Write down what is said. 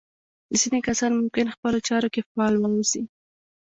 ځينې کسان ممکن خپلو چارو کې فعال واوسي.